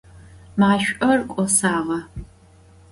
Maş'or k'osağe.